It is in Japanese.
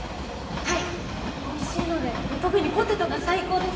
はいおいしいので特にポテトが最高です。